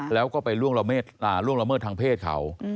แล้วก็ไปล่วงละเมิดทางเพศเขา